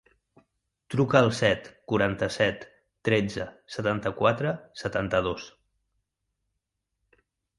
Truca al set, quaranta-set, tretze, setanta-quatre, setanta-dos.